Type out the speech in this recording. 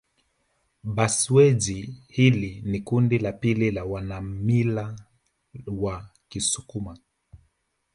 Bhasweji hili ni kundi la pili la wanamila wa kisukuma